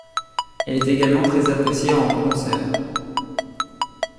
Elle est également très appréciée en concert.